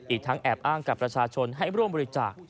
อีกทั้งแอบอ้างกับประชาชนให้ร่วมบริจาค